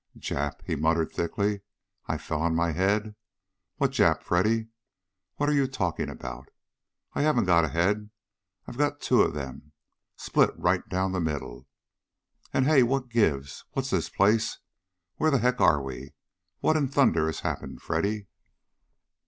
"Jap?" he muttered thickly. "I fell on my head? What Jap, Freddy? What are you talking about? I haven't got a head. I've got two of them. Split right down the middle. And Hey! What gives? What's this place? Where the heck are we? What in thunder has happened, Freddy?"